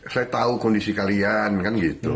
saya tahu kondisi kalian kan gitu